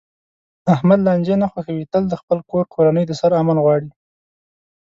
احمد لانجې نه خوښوي، تل د خپل کور کورنۍ د سر امن غواړي.